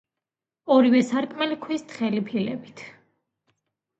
ორივე სარკმელი, ქვის თხელი ფილებით.